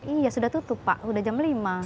iya sudah tutup pak sudah jam lima